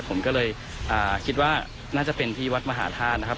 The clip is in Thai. ผมก็เลยคิดว่าน่าจะเป็นที่วัดมหาธาตุนะครับ